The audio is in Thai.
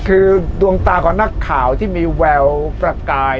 คือดวงตาของนักข่าวที่มีแววประกาย